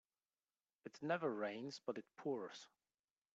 It never rains but it pours